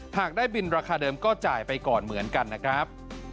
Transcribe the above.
หากได้บินราคาเดิมก็จ่ายไปก่อนเหมือนกันนะครับ